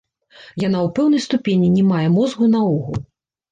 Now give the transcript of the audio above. Яна ў пэўнай ступені не мае мозгу наогул.